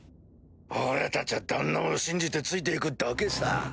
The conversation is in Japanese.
俺たちは旦那を信じてついて行くだけさ。